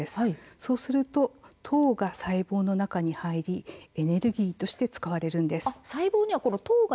そうすると糖が細胞の中に入りエネルギーとして使われるんです。